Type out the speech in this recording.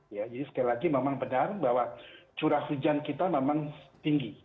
ya jadi sekali lagi memang benar bahwa curah hujan kita memang tinggi